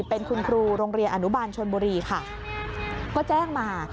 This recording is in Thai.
เป็นคุณครูโรงเรียนอนุบาลชนบุรีค่ะก็แจ้งมา